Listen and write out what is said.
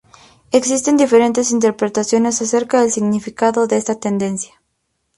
Existen diferentes interpretaciones acerca del significado de esta tendencia.